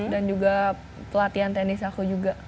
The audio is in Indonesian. dan juga pelatihan tenis aku juga